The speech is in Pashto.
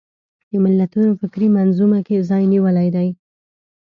د ملتونو فکري منظومه کې ځای نیولی دی